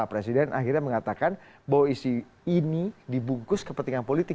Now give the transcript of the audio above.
presiden akhirnya mengatakan bahwa isi ini dibungkus kepentingan politik